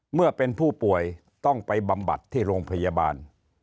เมื่อเป็นผู้ป่วยต้องไปบำบัดที่โรงพยาบาล